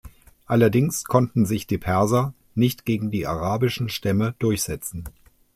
Allerdings konnten sich die Perser nicht gegen die arabischen Stämme durchsetzen.